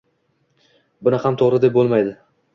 Buni ham to‘g‘ri deb bo‘lmaydi.